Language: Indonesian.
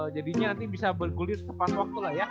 jadinya nanti bisa bergulir sepas waktu lah ya